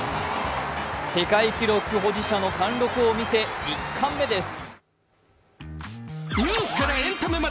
世界記録保持者の貫禄を見せ１冠目です。